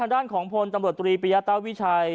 ด้านของพลตำรวจตรีปริยาตาวิชัย